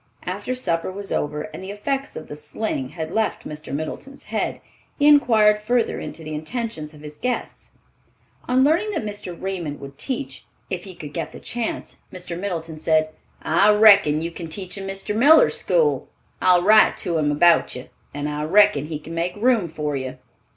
After supper was over and the effects of the sling had left Mr. Middleton's head, he inquired further into the intentions of his guests. On learning that Mr. Raymond would teach, if he could get the chance, Mr. Middleton said, "I reckon you can teach in Mr. Miller's school. I'll write to him about you, and I reckon he can make room for you."